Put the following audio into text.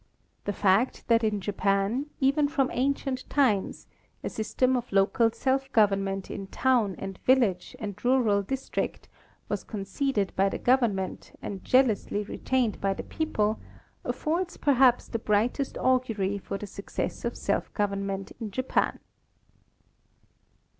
The fact that in Japan, even from ancient times, a system of local self government in town and village and rural district was conceded by the government and jealously retained The Judiciary System. 199 by the people affords perhaps the brightest augury for the suc cess of self government in Japan.